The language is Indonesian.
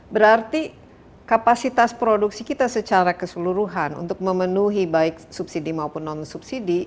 berarti kapasitas produksi kita secara keseluruhan untuk memenuhi baik subsidi maupun non subsidi